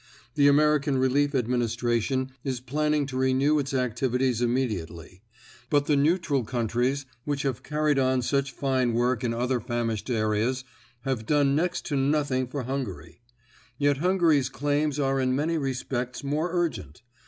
The American Relief Administration is planning to renew its activities immediately; but the neutral countries, which have carried on such fine work in other famished areas, have done next to nothing for Hungary. Yet Hungary's claims are in many respects more urgent.